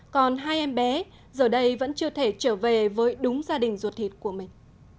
còn hai em bé giờ đây vẫn chưa thể trở về với đúng gia đình ruột thịt của mình